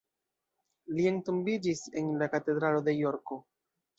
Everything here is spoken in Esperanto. Li entombiĝis en la katedralo de Jorko.